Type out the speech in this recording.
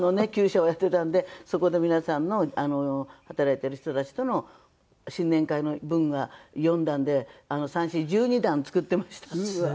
厩舎をやっていたのでそこで皆さんの働いている人たちとの新年会の分は４段で３４１２段作っていました。